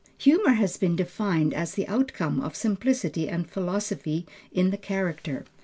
Humor has been defined as the outcome of simplicity and philosophy in the character.